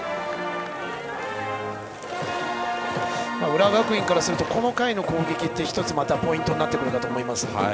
浦和学院からするとこの回の攻撃って１つまたポイントになってくると思います。